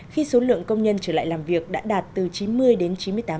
khi số lượng công nhân trở lại làm việc đã đạt từ chín mươi đến chín mươi tám